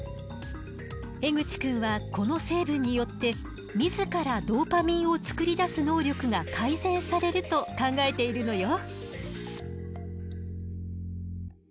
江口くんはこの成分によって自らドーパミンを作り出す能力が改善されると考えているのよ。